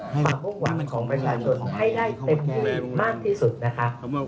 ความมุ่งหวังเป็นของประชาชนให้ได้เต็มที่มากที่สุดนะคะ